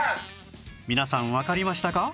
皆さんわかりましたか？